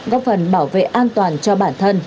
góp phần bảo vệ an toàn cho bản thân